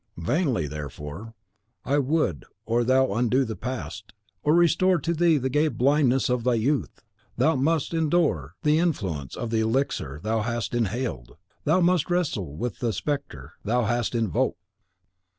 Vainly, therefore, would I or thou undo the past, or restore to thee the gay blindness of thy youth. Thou must endure the influence of the elixir thou hast inhaled; thou must wrestle with the spectre thou hast invoked!"